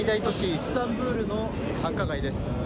イスタンブールの繁華街です。